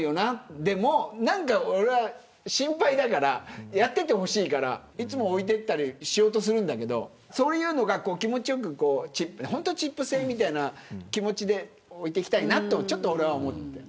でも俺は心配だからやっててほしいからいつも置いてったりしようとするんだけどそういうのが気持ちよく本当はチップ制みたいな気持ちで置いていきたいなと俺は思う。